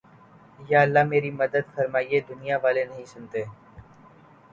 یا اللہ میری مدد فرمایہ دنیا والے نہیں سنتے